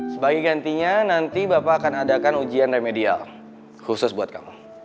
sebagai gantinya nanti bapak akan adakan ujian remedial khusus buat kamu